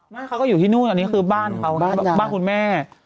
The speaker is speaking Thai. เขาก็อยู่ที่นู่นอันนี้คือบ้านเขาบ้านคุณแม่